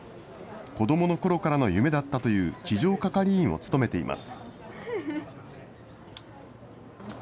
子どものころからの夢だったという地上係員を務めています。